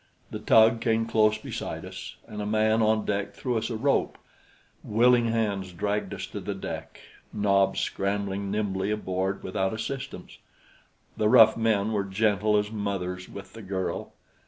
The tug came close beside us, and a man on deck threw us a rope. Willing hands dragged us to the deck, Nobs scrambling nimbly aboard without assistance. The rough men were gentle as mothers with the girl.